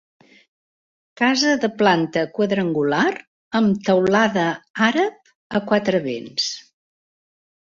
Casa de planta quadrangular amb teulada àrab, a quatre vents.